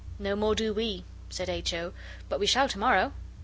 'No more do we,' said H. O., 'but we shall to morrow.